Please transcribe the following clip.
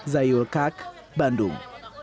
zayul kak bandung